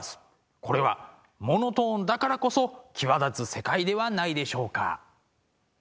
これはモノトーンだからこそ際立つ世界ではないでしょうか。